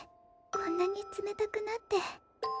こんなに冷たくなって。